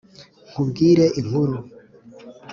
Nkubwire inkuru